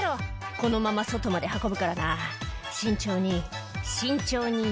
「このまま外まで運ぶからな慎重に慎重に」